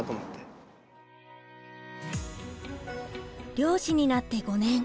漁師になって５年。